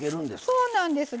そうなんです。